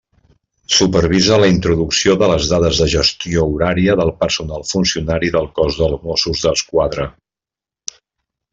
Supervisa la introducció de les dades de gestió horària del personal funcionari del cos de Mossos d'Esquadra.